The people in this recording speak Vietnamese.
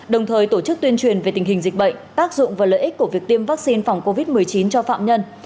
đồng thời tổ chức tuyên truyền về tình hình dịch bệnh tác dụng và lợi ích của việc tiêm vaccine phòng covid một mươi chín cho phạm nhân